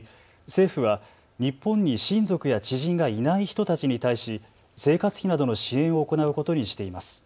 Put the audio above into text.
政府は日本に親族や知人がいない人たちに対し生活費などの支援を行うことにしています。